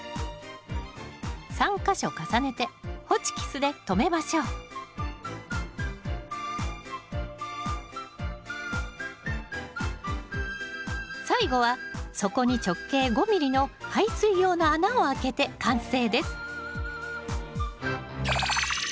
３か所重ねてホチキスで留めましょう最後は底に直径５ｍｍの排水用の穴をあけて完成です